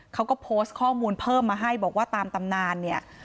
เขาก็โพสต์ข้อมูลเพิ่มมาให้บอกว่าตามตำนานเนี่ย